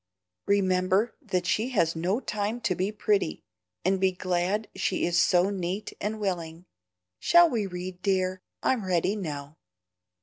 "Remember that she has no time to be pretty, and be glad she is so neat and willing. Shall we read, dear? I'm ready now."